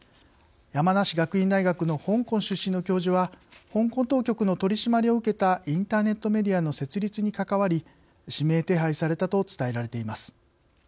山梨学院大学の香港出身の教授は香港当局の取り締まりを受けたインターネットメディアの設立に関わり指名手配されたと伝えられています。